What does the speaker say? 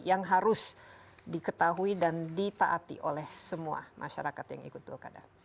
yang harus diketahui dan ditaati oleh semua masyarakat yang ikut pilkada